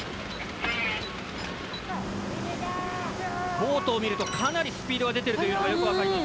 ボートを見るとかなりスピードが出てるというのがよくわかります。